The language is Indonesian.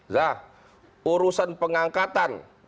zah urusan pengangkatan